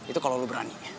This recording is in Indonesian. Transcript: itu kalau lo berani